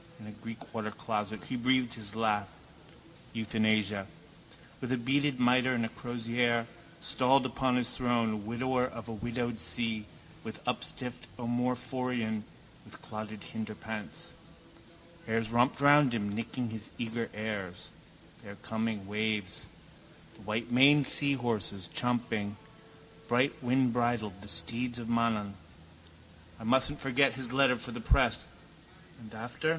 In a Greek watercloset he breathed his last: euthanasia. With beaded mitre and with crozier, stalled upon his throne, widower of a widowed see, with upstiffed omophorion, with clotted hinderparts. Airs romped round him, nipping and eager airs. They are coming, waves. The whitemaned seahorses, champing, brightwindbridled, the steeds of Mananaan. I mustn't forget his letter for the press. And after?